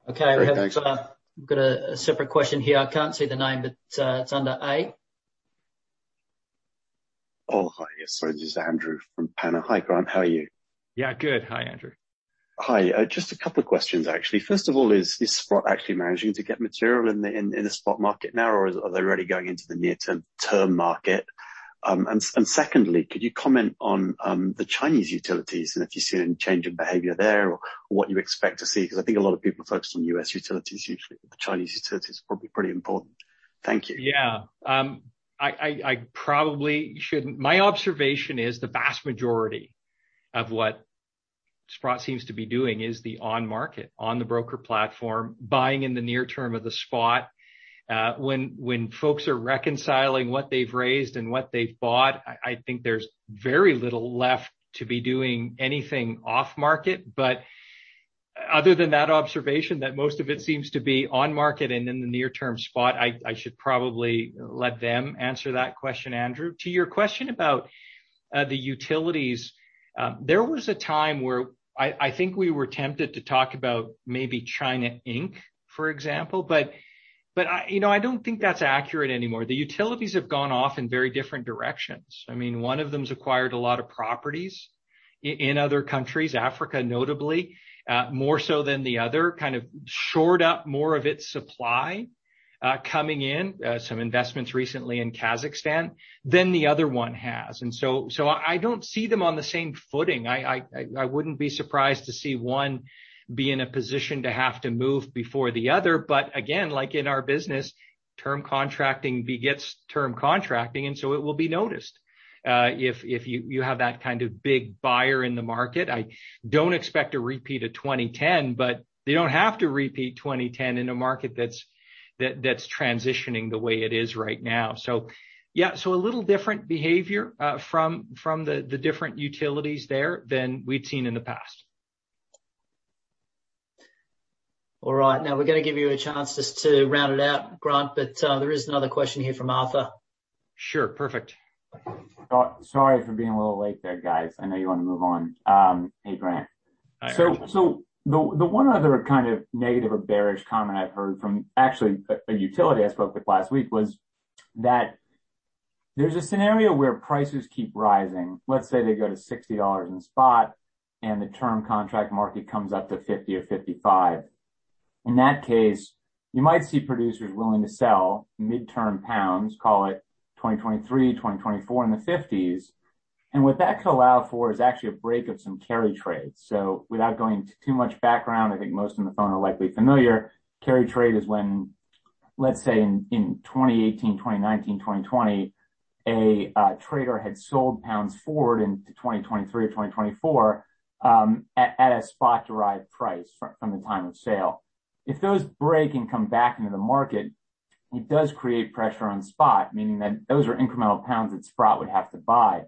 I: Great. Thanks.
A: Okay. We've got a separate question here. I can't see the name, but it's under A.
J: Hi. Yes, sorry. This is Andrew from Pala. Hi, Grant. How are you?
B: Yeah, good. Hi, Andrew.
J: Hi. Just a couple of questions, actually. First of all, is Sprott actually managing to get material in the spot market now, or are they already going into the near-term market? Secondly, could you comment on the Chinese utilities and if you see any change in behavior there or what you expect to see? Because I think a lot of people are focused on U.S. utilities usually, but the Chinese utilities are probably pretty important. Thank you.
B: Yeah. I probably shouldn't. My observation is the vast majority of what Sprott seems to be doing is the on-market, on the broker platform, buying in the near term of the spot. When folks are reconciling what they've raised and what they've bought, I think there's very little left to be doing anything off-market. Other than that observation, that most of it seems to be on-market and in the near term spot, I should probably let them answer that question, Andrew. To your question about the utilities, there was a time where I think we were tempted to talk about maybe China Inc, for example, but I don't think that's accurate anymore. The utilities have gone off in very different directions. One of them's acquired a lot of properties in other countries, Africa notably, more so than the other, kind of shored up more of its supply coming in, some investments recently in Kazakhstan, than the other one has. I don't see them on the same footing. I wouldn't be surprised to see one be in a position to have to move before the other. Again, like in our business, term contracting begets term contracting, it will be noticed if you have that kind of big buyer in the market. I don't expect a repeat of 2010, they don't have to repeat 2010 in a market that's transitioning the way it is right now. A little different behavior from the different utilities there than we'd seen in the past.
A: All right. Now we're going to give you a chance just to round it out, Grant, but there is another question here from Arthur.
B: Sure. Perfect.
K: Sorry for being a little late there, guys. I know you want to move on. Hey, Grant.
B: Hi, Arthur.
K: The one other kind of negative or bearish comment I've heard from, actually, a utility I spoke with last week was that there's a scenario where prices keep rising. Let's say they go to 60 dollars in spot and the term contract market comes up to 50 or 55. In that case, you might see producers willing to sell mid-term pounds, call it 2023, 2024 in the CAD 50s. What that could allow for is actually a break of some carry trades. Without going into too much background, I think most on the phone are likely familiar. Carry trade is when, let's say in 2018, 2019, 2020, a trader had sold pounds forward into 2023 or 2024, at a spot-derived price from the time of sale. If those break and come back into the market, it does create pressure on spot, meaning that those are incremental pounds that Sprott would have to buy.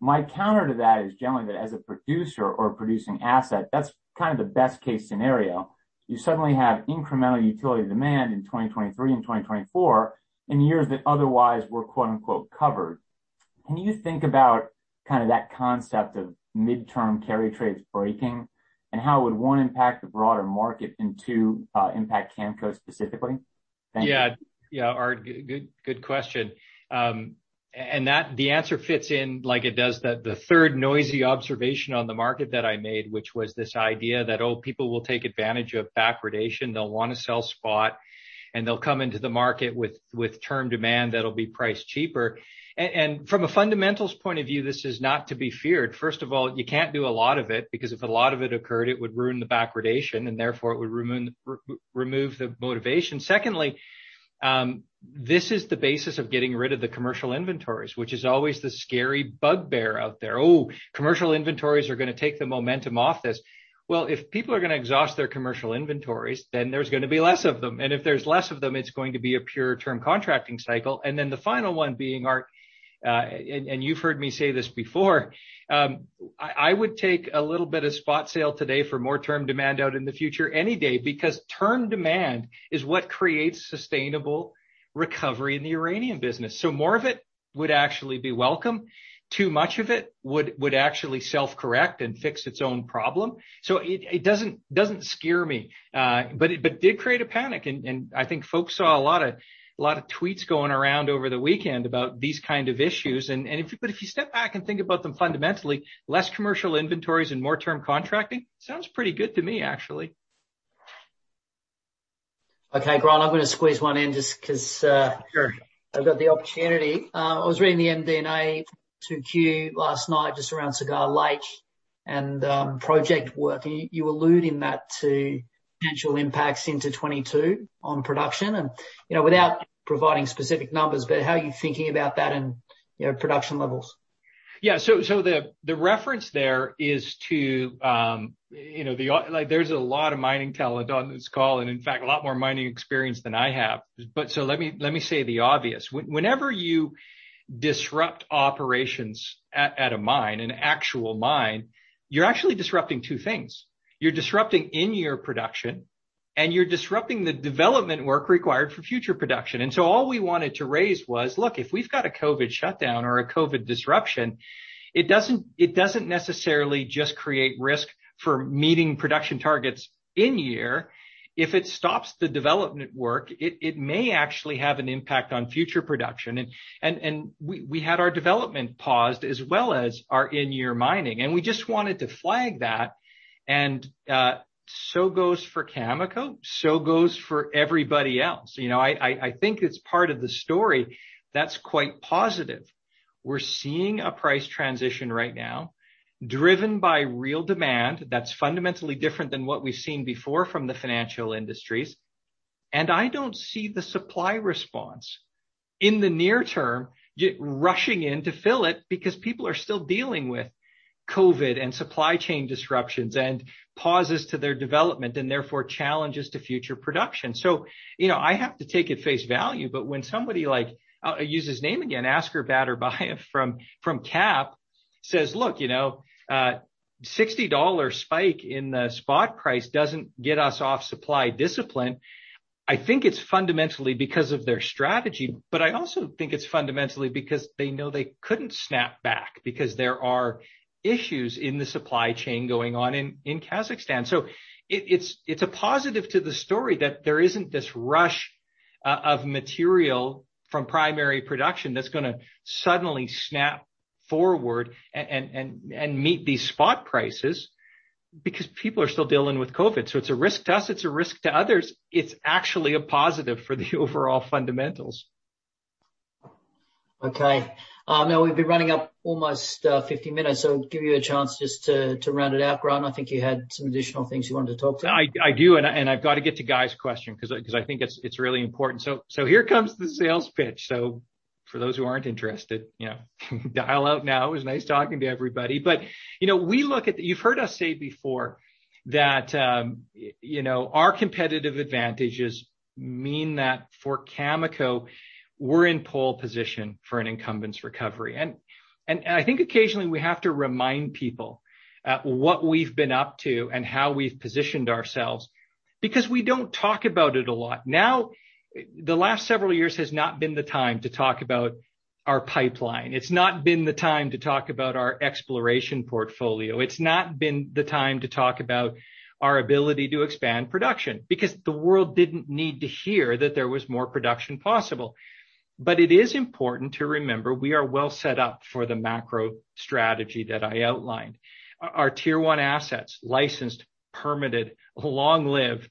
K: My counter to that is generally that as a producer or a producing asset, that's kind of the best-case scenario. You suddenly have incremental utility demand in 2023 and 2024 in years that otherwise were quote unquote covered. Can you think about that concept of midterm carry trades breaking, and how would, one, impact the broader market, and two, impact Cameco specifically? Thank you.
B: Yeah. Art, good question. The answer fits in like it does the third noisy observation on the market that I made, which was this idea that, oh, people will take advantage of backwardation. They'll want to sell spot, and they'll come into the market with term demand that'll be priced cheaper. From a fundamentals point of view, this is not to be feared. First of all, you can't do a lot of it, because if a lot of it occurred, it would ruin the backwardation, and therefore it would remove the motivation. Secondly, this is the basis of getting rid of the commercial inventories, which is always the scary bugbear out there. Oh, commercial inventories are going to take the momentum off this. Well, if people are going to exhaust their commercial inventories, then there's going to be less of them. If there's less of them, it's going to be a pure term contracting cycle. The final one being, Art, and you've heard me say this before, I would take a little bit of spot sale today for more term demand out in the future any day, because term demand is what creates sustainable recovery in the uranium business. More of it would actually be welcome. Too much of it would actually self-correct and fix its own problem. It doesn't scare me. It did create a panic, and I think folks saw a lot of tweets going around over the weekend about these kind of issues. If you step back and think about them fundamentally, less commercial inventories and more term contracting sounds pretty good to me, actually.
A: Okay, Grant, I'm going to squeeze one in just because.
B: Sure.
A: I've got the opportunity. I was reading the MD&A 2Q last night just around Cigar Lake and project work, and you allude in that to potential impacts into 2022 on production. Without providing specific numbers, but how are you thinking about that and production levels?
B: Yeah. The reference there is to, there's a lot of mining talent on this call, and in fact, a lot more mining experience than I have. Let me say the obvious. Whenever you disrupt operations at a mine, an actual mine, you're actually disrupting two things. You're disrupting in-year production, and you're disrupting the development work required for future production. All we wanted to raise was, look, if we've got a COVID shutdown or a COVID disruption, it doesn't necessarily just create risk for meeting production targets in year. If it stops the development work, it may actually have an impact on future production. We had our development paused as well as our in-year mining. We just wanted to flag that, and so goes for Cameco, so goes for everybody else. I think it's part of the story that's quite positive. We're seeing a price transition right now driven by real demand that's fundamentally different than what we've seen before from the financial industries, and I don't see the supply response in the near term rushing in to fill it because people are still dealing with COVID and supply chain disruptions and pauses to their development, and therefore challenges to future production. I have to take at face value, but when somebody like, I'll use his name again, Askar Batyrbayev from KAP says, "Look, 60 dollar spike in the spot price doesn't get us off supply discipline." I think it's fundamentally because of their strategy, but I also think it's fundamentally because they know they couldn't snap back because there are issues in the supply chain going on in Kazakhstan. It's a positive to the story that there isn't this rush of material from primary production that's going to suddenly snap forward and meet these spot prices because people are still dealing with COVID. It's a risk to us, it's a risk to others. It's actually a positive for the overall fundamentals.
A: Okay. Now we've been running up almost 50 minutes, give you a chance just to round it out, Grant. I think you had some additional things you wanted to talk about.
B: I do, and I've got to get to Guy's question because I think it's really important. Here comes the sales pitch. For those who aren't interested, dial out now. It was nice talking to everybody. You've heard us say before that our competitive advantages mean that for Cameco, we're in pole position for an incumbents' recovery. I think occasionally we have to remind people what we've been up to and how we've positioned ourselves, because we don't talk about it a lot. The last several years has not been the time to talk about our pipeline. It's not been the time to talk about our exploration portfolio. It's not been the time to talk about our ability to expand production because the world didn't need to hear that there was more production possible. It is important to remember we are well set up for the macro strategy that I outlined. Our Tier 1 assets, licensed, permitted, long-lived,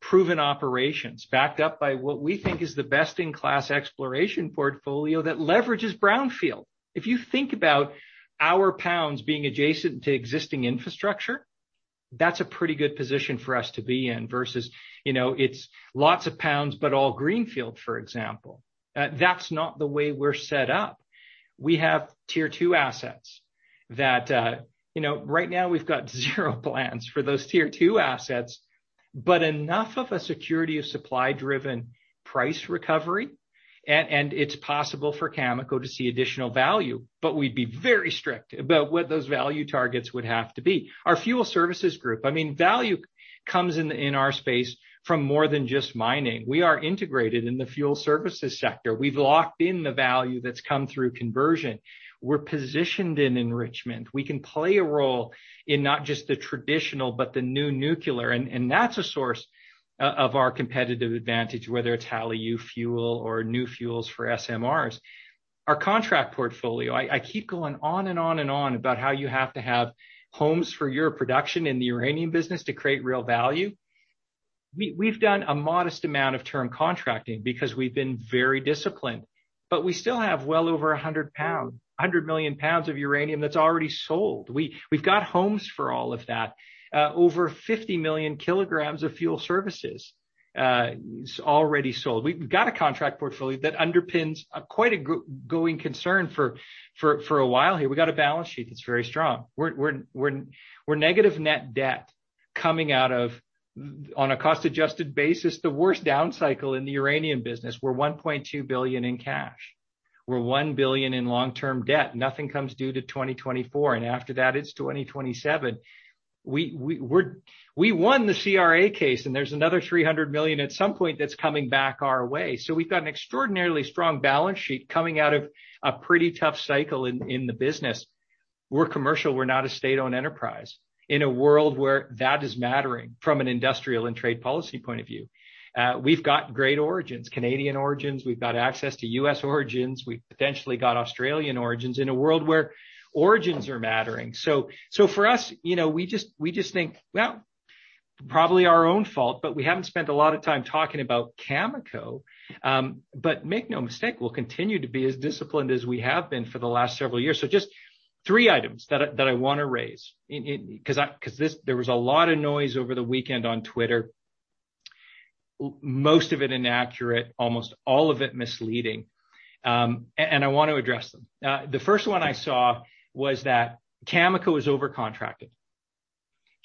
B: proven operations backed up by what we think is the best-in-class exploration portfolio that leverages brownfield. If you think about our pounds being adjacent to existing infrastructure, that's a pretty good position for us to be in versus it's lots of pounds, but all greenfield, for example. That's not the way we're set up. We have Tier 2 assets that right now we've got zero plans for those Tier two assets. Enough of a security of supply-driven price recovery, and it's possible for Cameco to see additional value, but we'd be very strict about what those value targets would have to be. Our Fuel Services group, value comes in our space from more than just mining. We are integrated in the Fuel Services sector. We've locked in the value that's come through conversion. We're positioned in enrichment. We can play a role in not just the traditional, but the new nuclear, and that's a source of our competitive advantage, whether it's HALEU fuel or new fuels for SMRs. Our contract portfolio, I keep going on and on and on about how you have to have homes for your production in the uranium business to create real value. We've done a modest amount of term contracting because we've been very disciplined, but we still have well over 100 million pounds of uranium that's already sold. We've got homes for all of that, over 50 million kilograms of Fuel Services is already sold. We've got a contract portfolio that underpins quite a going concern for a while here. We've got a balance sheet that's very strong. We're negative net debt coming out of, on a cost-adjusted basis, the worst down cycle in the uranium business. We're 1.2 billion in cash. We're 1 billion in long-term debt. Nothing comes due till 2024. After that, it's 2027. We won the CRA case. There's another 300 million at some point that's coming back our way. We've got an extraordinarily strong balance sheet coming out of a pretty tough cycle in the business. We're commercial, we're not a state-owned enterprise in a world where that is mattering from an industrial and trade policy point of view. We've got great origins, Canadian origins. We've got access to U.S. origins. We've potentially got Australian origins in a world where origins are mattering. For us, we just think, well, probably our own fault, but we haven't spent a lot of time talking about Cameco. Make no mistake, we'll continue to be as disciplined as we have been for the last several years. Just three items that I want to raise. There was a lot of noise over the weekend on Twitter, most of it inaccurate, almost all of it misleading. I want to address them. The first one I saw was that Cameco is over-contracted.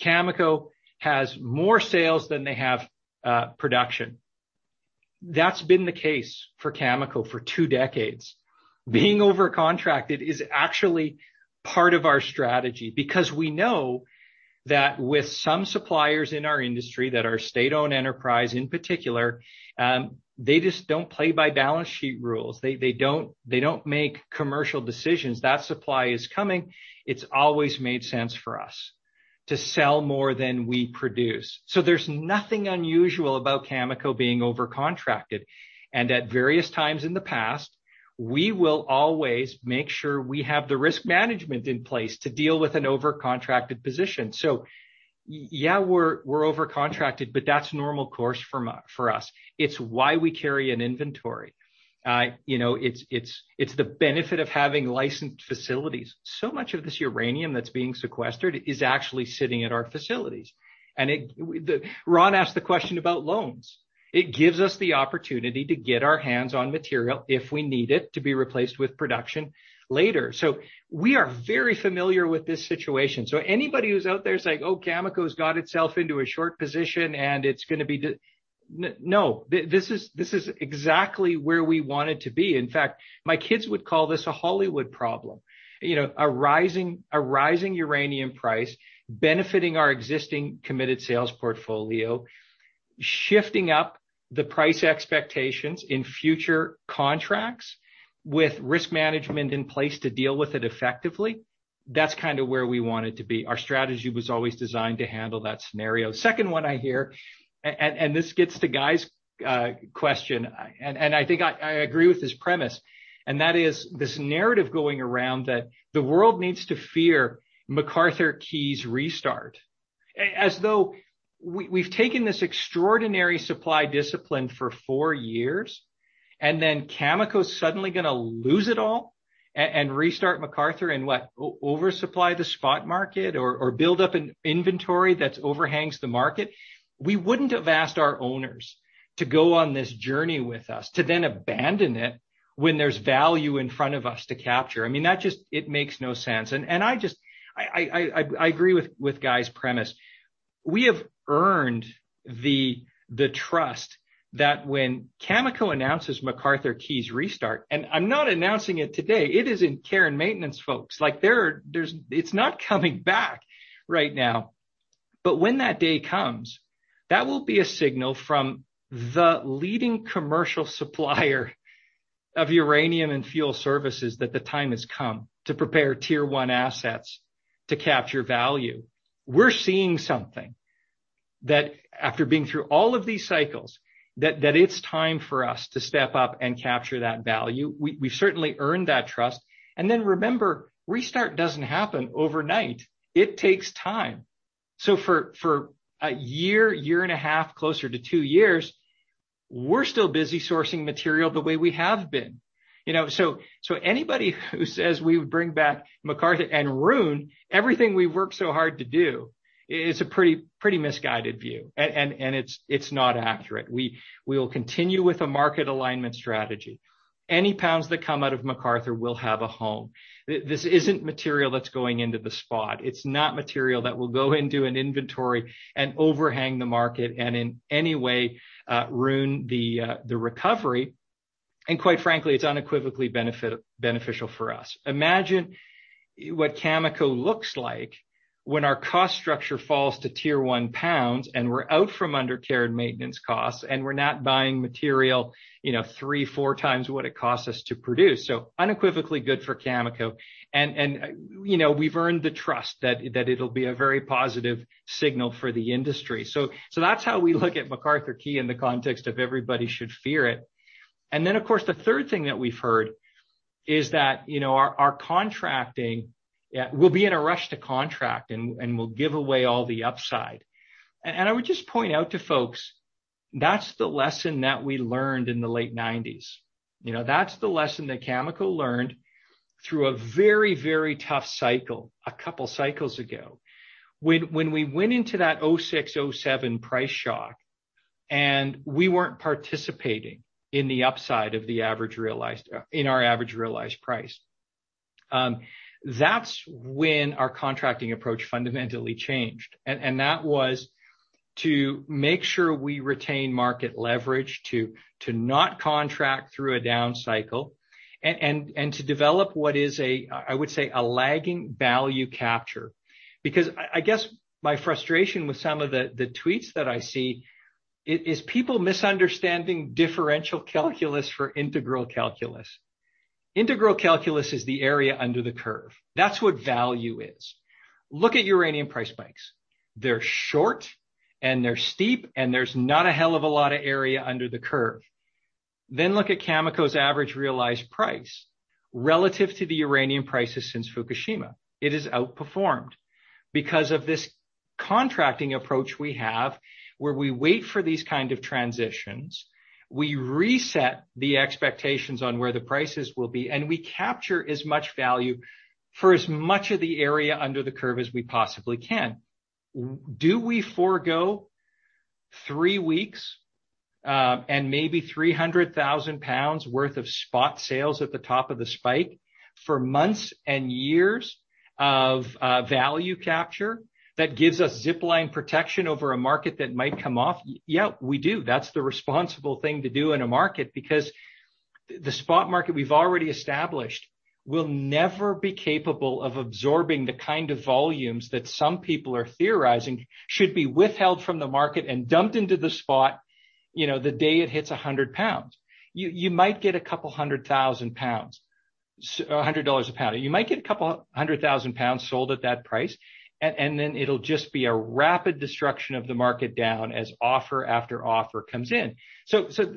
B: Cameco has more sales than they have production. That's been the case for Cameco for two decades. Being over-contracted is actually part of our strategy because we know that with some suppliers in our industry that are state-owned enterprise, in particular, they just don't play by balance sheet rules. They don't make commercial decisions. That supply is coming. It's always made sense for us to sell more than we produce. There's nothing unusual about Cameco being over-contracted. At various times in the past, we will always make sure we have the risk management in place to deal with an over-contracted position. Yeah, we're over-contracted, but that's normal course for us. It's why we carry an inventory. It's the benefit of having licensed facilities. Much of this uranium that's being sequestered is actually sitting at our facilities, and Ron asked the question about loans. It gives us the opportunity to get our hands on material if we need it to be replaced with production later. We are very familiar with this situation. Anybody who's out there saying, "Oh, Cameco's got itself into a short position." No. This is exactly where we wanted to be. In fact, my kids would call this a Hollywood problem. A rising uranium price benefiting our existing committed sales portfolio, shifting up the price expectations in future contracts with risk management in place to deal with it effectively. That's where we wanted to be. Our strategy was always designed to handle that scenario. Second one I hear, this gets to Guy's question, I think I agree with his premise, that is this narrative going around that the world needs to fear McArthur/Key's restart. As though we've taken this extraordinary supply discipline for four years, then Cameco's suddenly going to lose it all and restart McArthur and what? Oversupply the spot market or build up an inventory that overhangs the market? We wouldn't have asked our owners to go on this journey with us to then abandon it when there's value in front of us to capture. It makes no sense. I agree with Guy's premise. We have earned the trust that when Cameco announces McArthur/Key's restart, I'm not announcing it today, it is in care and maintenance, folks. It's not coming back right now. When that day comes, that will be a signal from the leading commercial supplier of uranium and Fuel Services that the time has come to prepare Tier 1 assets to capture value. We're seeing something that after being through all of these cycles, that it's time for us to step up and capture that value. We've certainly earned that trust. Remember, restart doesn't happen overnight. It takes time. For a year and a half, closer to two years, we're still busy sourcing material the way we have been. Anybody who says we would bring back McArthur and ruin everything we've worked so hard to do is a pretty misguided view. It's not accurate. We will continue with a market alignment strategy. Any pounds that come out of McArthur will have a home. This isn't material that's going into the spot. It's not material that will go into an inventory and overhang the market and in any way ruin the recovery. Quite frankly, it's unequivocally beneficial for us. Imagine what Cameco looks like when our cost structure falls to Tier 1 pounds and we're out from under care and maintenance costs and we're not buying material three, four times what it costs us to produce. Unequivocally good for Cameco. We've earned the trust that it'll be a very positive signal for the industry. That's how we look at McArthur/Key in the context of everybody should fear it. Of course, the third thing that we've heard is that our contracting, we'll be in a rush to contract and we'll give away all the upside. I would just point out to folks, that's the lesson that we learned in the late 1990s. That's the lesson that Cameco learned through a very, very tough cycle a couple cycles ago. When we went into that 2006, 2007 price shock and we weren't participating in the upside in our average realized price. That's when our contracting approach fundamentally changed, and that was to make sure we retain market leverage, to not contract through a down cycle, and to develop what is a, I would say, a lagging value capture. I guess my frustration with some of the tweets that I see is people misunderstanding differential calculus for integral calculus. Integral calculus is the area under the curve. That's what value is. Look at uranium price spikes. They're short, and they're steep, and there's not a hell of a lot of area under the curve. Look at Cameco's average realized price relative to the uranium prices since Fukushima. It has outperformed because of this contracting approach we have where we wait for these kind of transitions, we reset the expectations on where the prices will be, and we capture as much value for as much of the area under the curve as we possibly can. Do we forego three weeks, and maybe CAD 300,000 worth of spot sales at the top of the spike for months and years of value capture that gives us zip line protection over a market that might come off? Yeah, we do. That's the responsible thing to do in a market because the spot market we've already established will never be capable of absorbing the kind of volumes that some people are theorizing should be withheld from the market and dumped into the spot the day it hits CAD 100. You might get a couple CAD 100,000, 100 dollars. You might get a couple CAD 100,000 sold at that price, and then it'll just be a rapid destruction of the market down as offer after offer comes in.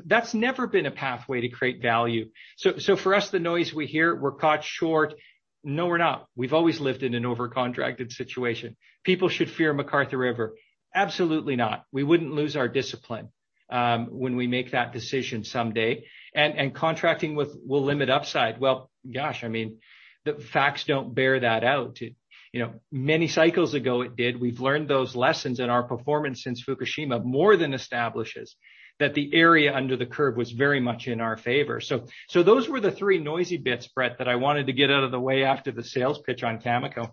B: That's never been a pathway to create value. For us, the noise we hear, we're caught short, no, we're not. We've always lived in an over-contracted situation. People should fear McArthur River. Absolutely not. We wouldn't lose our discipline when we make that decision someday. Contracting will limit upside. Well, gosh, the facts don't bear that out. Many cycles ago it did. We've learned those lessons, and our performance since Fukushima more than establishes that the area under the curve was very much in our favor. Those were the three noisy bits, Brett, that I wanted to get out of the way after the sales pitch on Cameco.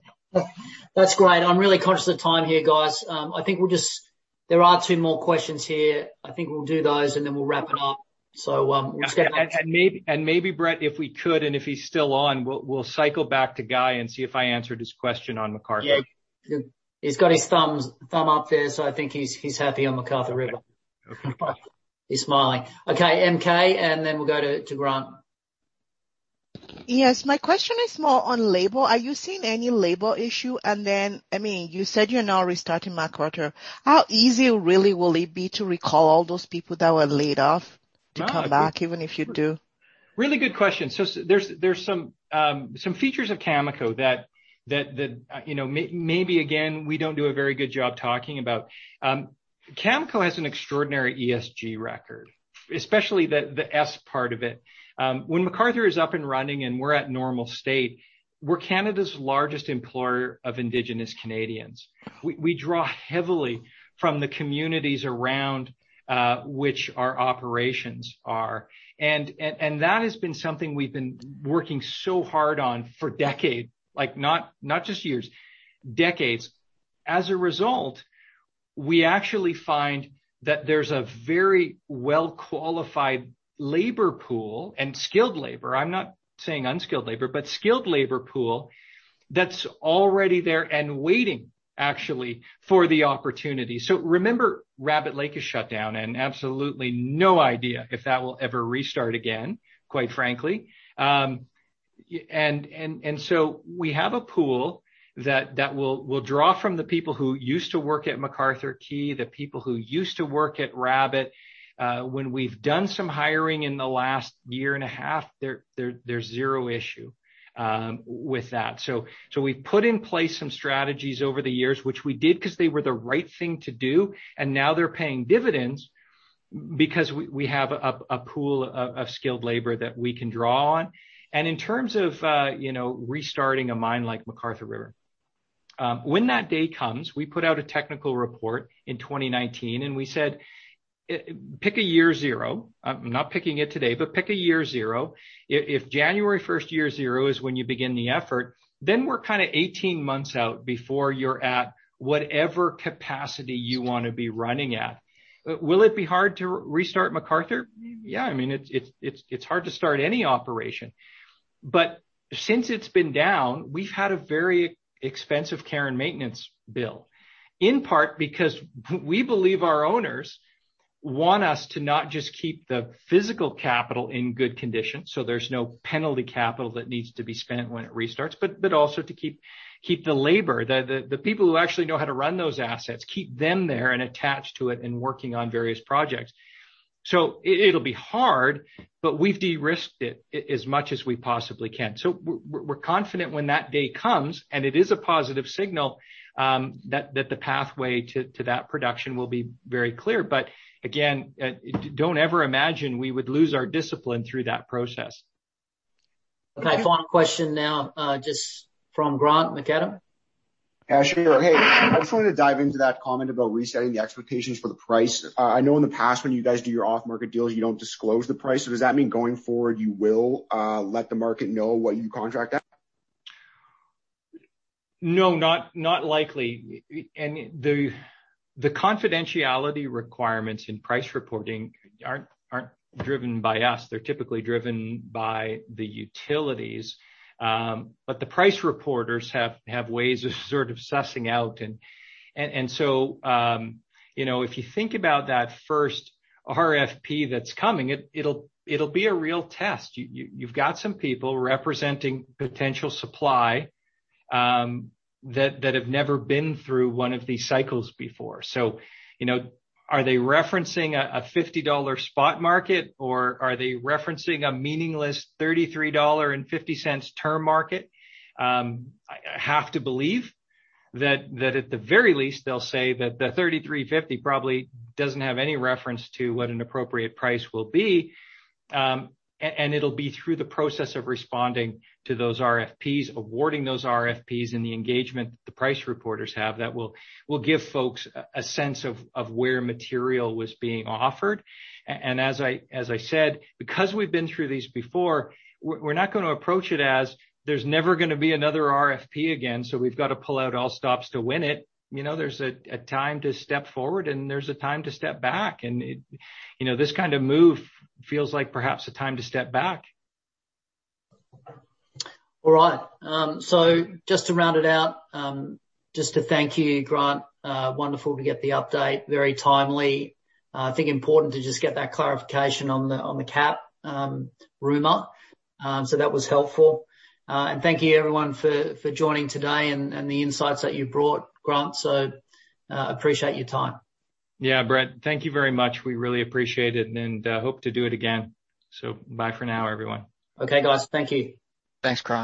A: That's great. I'm really conscious of time here, guys. There are two more questions here. I think we'll do those, and then we'll wrap it up.
B: Maybe, Brett, if we could, and if he's still on, we'll cycle back to Guy and see if I answered his question on McArthur.
A: Yeah. He's got his thumb up there, so I think he's happy on McArthur River.
B: Okay.
A: He's smiling. Okay, MK, and then we'll go to Grant.
G: Yes. My question is more on labor. Are you seeing any labor issue? Then, you said you're now restarting McArthur. How easy really will it be to recall all those people that were laid off to come back, even if you do?
B: Really good question. There's some features of Cameco that maybe, again, we don't do a very good job talking about. Cameco has an extraordinary ESG record, especially the S part of it. When McArthur is up and running and we're at normal state, we're Canada's largest employer of Indigenous Canadians. We draw heavily from the communities around which our operations are, and that has been something we've been working so hard on for decades. Like, not just years, decades. As a result, we actually find that there's a very well-qualified labor pool and skilled labor, I'm not saying unskilled labor, but skilled labor pool that's already there and waiting actually for the opportunity. Remember, Rabbit Lake is shut down and absolutely no idea if that will ever restart again, quite frankly. We have a pool that we'll draw from the people who used to work at McArthur/Key, the people who used to work at Rabbit. When we've done some hiring in the last year and a half, there's zero issue with that. We've put in place some strategies over the years, which we did because they were the right thing to do, and now they're paying dividends because we have a pool of skilled labor that we can draw on. In terms of restarting a mine like McArthur River, when that day comes, we put out a technical report in 2019 and we said, "Pick a year zero." I'm not picking it today, but pick a year zero. If January 1st, year zero is when you begin the effort, then we're kind of 18-months out before you're at whatever capacity you want to be running at. Will it be hard to restart McArthur? Yeah. It's hard to start any operation. Since it's been down, we've had a very expensive care and maintenance bill, in part because we believe our owners want us to not just keep the physical capital in good condition so there's no penalty capital that needs to be spent when it restarts, but also to keep the labor, the people who actually know how to run those assets, keep them there and attached to it and working on various projects. It'll be hard, but we've de-risked it as much as we possibly can. We're confident when that day comes, and it is a positive signal, that the pathway to that production will be very clear. But again, don't ever imagine we would lose our discipline through that process.
A: Okay. Final question now, just from Grant McAdam.
I: Yeah, sure. Hey, I just wanted to dive into that comment about resetting the expectations for the price. I know in the past when you guys do your off-market deals, you don't disclose the price. Does that mean going forward, you will let the market know what you contract at?
B: No, not likely. The confidentiality requirements in price reporting aren't driven by us. They're typically driven by the utilities. The price reporters have ways of sort of sussing out. If you think about that first RFP that's coming, it'll be a real test. You've got some people representing potential supply that have never been through one of these cycles before. Are they referencing a 50 dollar spot market, or are they referencing a meaningless 33.50 dollar term market? I have to believe that at the very least, they'll say that the 33.50 probably doesn't have any reference to what an appropriate price will be. It'll be through the process of responding to those RFPs, awarding those RFPs, and the engagement that the price reporters have, that will give folks a sense of where material was being offered. As I said, because we've been through these before, we're not going to approach it as there's never gonna be another RFP again, so we've got to pull out all stops to win it. There's a time to step forward, and there's a time to step back, and this kind of move feels like perhaps a time to step back.
A: All right. Just to round it out, just to thank you, Grant. Wonderful to get the update, very timely. I think important to just get that clarification on the KAP rumor. That was helpful. Thank you everyone for joining today and the insights that you brought, Grant. Appreciate your time.
B: Yeah. Brett, thank you very much. We really appreciate it and hope to do it again. Bye for now, everyone.
A: Okay, guys. Thank you.
I: Thanks, Grant